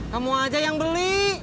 kamu aja yang beli